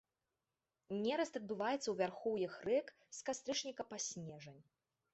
Нераст адбываецца ў вярхоўях рэк з кастрычніка па снежань.